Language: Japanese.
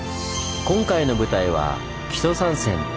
今回の舞台は木曽三川。